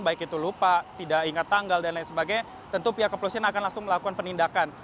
baik itu lupa tidak ingat tanggal dan lain sebagainya tentu pihak kepolisian akan langsung melakukan penindakan